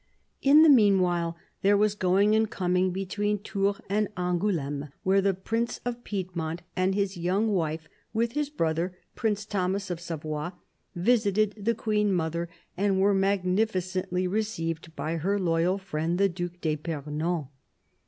In the meanwhile there was going and coming between Tours and Angouleme, where the Prince of Piedmont and his young wife, with his brother. Prince Thomas of Savoy, visited the Queen mother and were magnificently received by her loyal friend the Due d'fipernon.